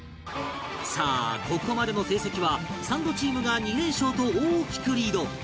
さあここまでの成績はサンドチームが２連勝と大きくリード